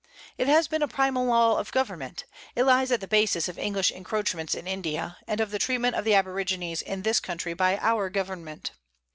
It has been a primal law of government; it lies at the basis of English encroachments in India, and of the treatment of the aborigines in this country by our government.